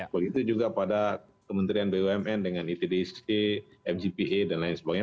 begitu juga pada kementerian bumn dengan itdsk mgpa dan lain sebagainya